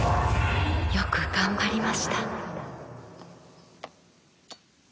よく頑張りました。